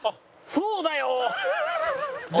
そうだよ！